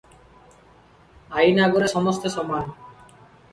ଆଇନ ଆଗରେ ସମସ୍ତେ ସମାନ ।